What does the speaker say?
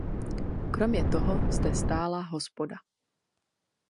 Kromě toho zde stála hospoda.